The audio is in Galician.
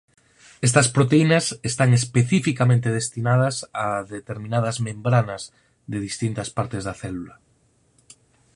Estas proteínas están especificamente destinadas a determinadas membranas de distintas partes da célula.